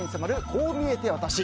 こう見えてワタシ。